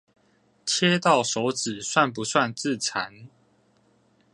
切到手指算不算自殘